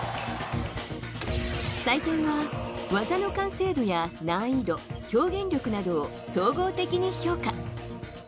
採点は技の完成度や難易度、表現力などを総合的に評価。